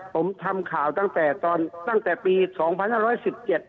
ผมทำข่าวตั้งแต่ตอนตั้งแต่ปีสองพันห้าร้อยสิบเจ็ด